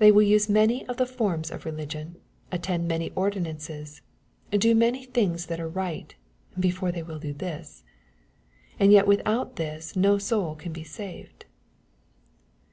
They will use many of the forms of religion, attend many ordinances, do many things that are right, before they will do this. And yet without this no soul can be saved.